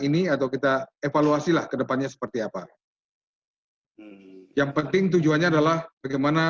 ini atau kita evaluasilah kedepannya seperti apa yang penting tujuannya adalah bagaimana